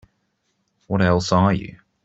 What else are you?